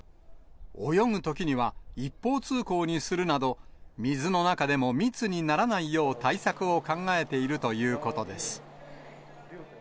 泳ぐときには一方通行にするなど、水の中でも密にならないよう対策を考えているということです。